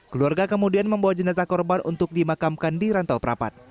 keluarga kemudian membawa jenazah korban untuk dimakamkan di rantau perapat